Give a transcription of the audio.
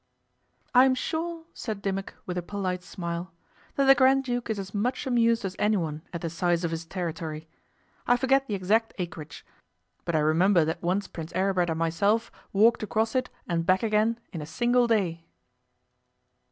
'I am sure,' said Dimmock, with a polite smile, 'that the Grand Duke is as much amused as anyone at the size of his territory. I forget the exact acreage, but I remember that once Prince Aribert and myself walked across it and back again in a single day.